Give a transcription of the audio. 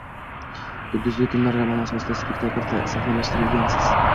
Yulduzli tunlar romani asosida spektakl sahnalashtirgansiz